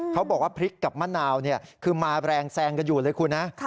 เขาบอกว่าพริกกับมะนาวคือมาแรงแซงกันอยู่เลยคุณนะ